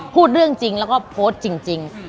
พูดเรื่องจริงแล้วก็โพสต์จริง